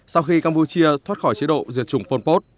sau khi campuchia thoát khỏi chế độ diệt chủng phonpot